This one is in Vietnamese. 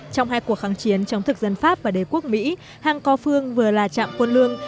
trong hai cuộc kháng chiến chống thực dân pháp và đế quốc mỹ hang co phương vừa là trạm quân lương